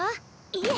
いえ！